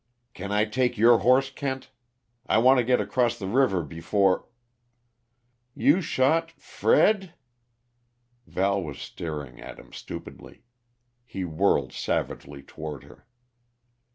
"Can I take your horse, Kent? I want to get across the river before " "You shot Fred " Val was staring at him stupidly. He whirled savagely toward her.